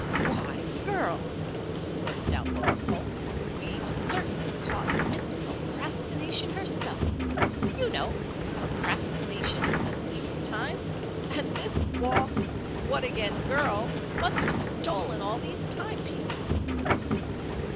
"Why, girls!" burst out Laura Polk. "We've certainly caught Miss Procrastination herself. You know, 'procrastination is the thief of time,' and this Wau what again girl must have stolen all these timepieces."